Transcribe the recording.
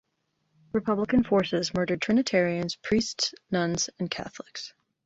Republican forces murdered Trinitarians, priests, nuns and Catholics.